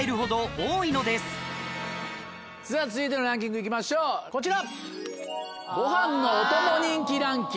それでは続いてのランキング行きましょうこちら。